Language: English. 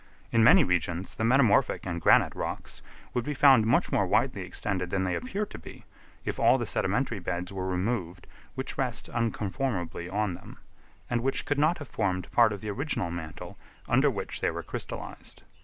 In many regions the metamorphic and granite rocks would be found much more widely extended than they appear to be, if all the sedimentary beds were removed which rest unconformably on them, and which could not have formed part of the original mantle under which they were crystallised.